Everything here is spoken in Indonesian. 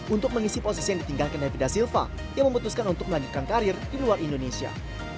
untuk mengisi posisi yang ditinggalkan davida silva yang memutuskan untuk melanjutkan karir di luar indonesia